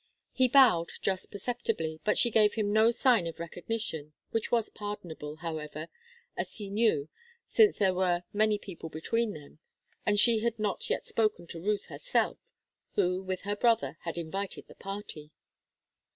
He bowed just perceptibly, but she gave him no sign of recognition, which was pardonable, however, as he knew, since there were people between them, and she had not yet spoken to Ruth herself, who, with her brother, had invited the party.